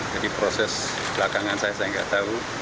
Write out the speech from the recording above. jadi proses belakangan saya saya tidak tahu